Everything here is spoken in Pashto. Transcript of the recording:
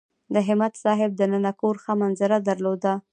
د همت صاحب دننه کور ښه منظره درلوده.